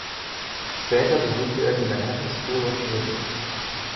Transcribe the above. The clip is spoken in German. Später besuchte er die Manhattan School of Music.